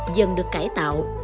dần được cải tạo